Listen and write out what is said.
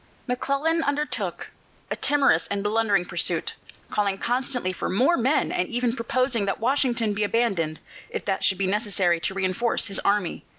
McClellan undertook a timorous and blundering pursuit, calling constantly for more men and even proposing that Washington be abandoned, if that should be necessary to reinforce his army.